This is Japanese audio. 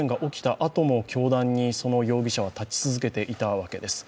あとも教壇にその容疑者は立ち続けていたわけです。